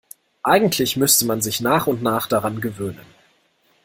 Eigentlich müsste man sich nach und nach daran gewöhnen.